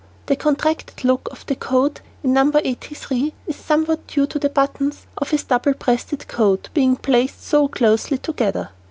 The contracted look of the coat in No. 83 is somewhat due to the buttons of his double breasted coat being placed too closely together.